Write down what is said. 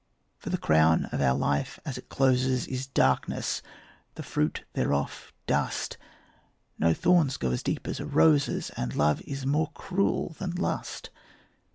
For the crown of our life as it closes Is darkness, the fruit thereof dust; No thorns go as deep as a rose's, And love is more cruel than lust.